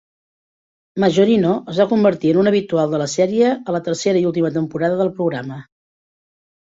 Majorino es va convertir en un habitual de la sèrie a la tercera i última temporada del programa.